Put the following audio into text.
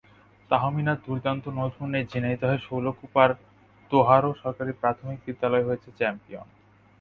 তাহমিনার দুর্দান্ত নৈপুণ্যেই ঝিনাইদহের শৈলকুপার দোহারো সরকারি প্রাথমিক বিদ্যালয় হয়েছে চ্যাম্পিয়ন।